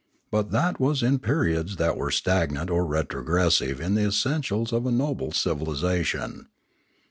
But that was in periods that were stagnant or retrogressive in the essentials of a noble civilisation.